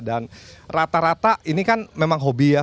dan rata rata ini kan memang hobi ya